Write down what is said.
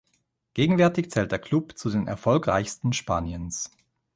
Gegenwärtig zählt der Klub zu den erfolgreichsten Spaniens.